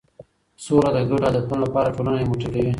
سوله د ګډو هدفونو لپاره ټولنه یو موټی کوي.